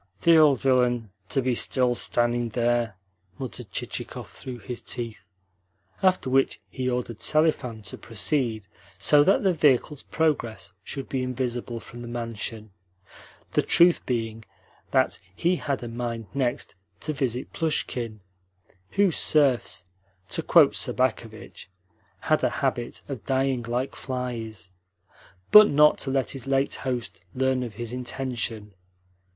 "The old villain, to be still standing there!" muttered Chichikov through his teeth; after which he ordered Selifan to proceed so that the vehicle's progress should be invisible from the mansion the truth being that he had a mind next to visit Plushkin (whose serfs, to quote Sobakevitch, had a habit of dying like flies), but not to let his late host learn of his intention.